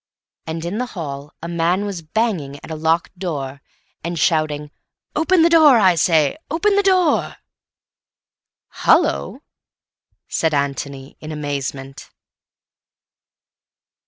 And in the hall a man was banging at a locked door, and shouting, "Open the door, I say; open the door!" "Hallo!" said Antony in amazement.